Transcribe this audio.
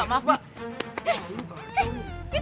kenapa bisa jatuh